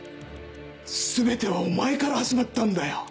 全てはお前から始まったんだよ。